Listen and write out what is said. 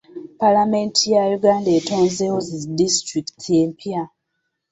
Palamenti ya Uganda etonzeewo zi disitulikiti empya.